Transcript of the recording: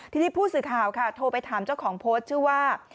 ทีนี้ผู้สื่อข่าวค่ะโทรไปถามเจ้าของโพสต์ชื่อว่า